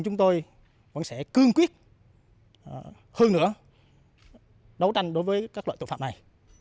chúng tôi vẫn sẽ cương quyết hơn nữa đấu tranh đối với các loại tội phạm này